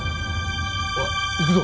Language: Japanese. おい行くぞ。